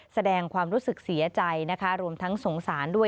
แสดงความรู้สึกเสียใจนะคะรวมทั้งสงสารด้วย